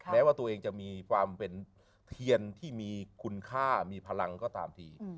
แม้ว่าตัวเองจะมีความเป็นเทียนที่มีคุณค่ามีพลังก็ตามที